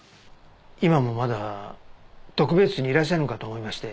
今もまだ特別室にいらっしゃるのかと思いまして。